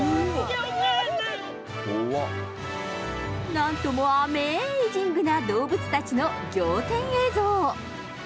なんともアメージングな動物たちの仰天映像。